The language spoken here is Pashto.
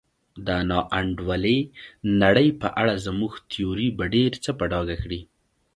د نا انډولې نړۍ په اړه زموږ تیوري به ډېر څه په ډاګه کړي.